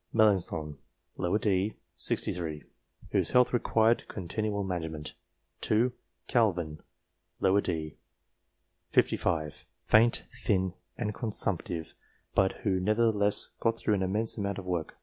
Melancthon, d. set. 63, whose health required con tinual management. 2. Calvin, d. set. 55, faint, thin, and consumptive, but who nevertheless got through an immense amount of work.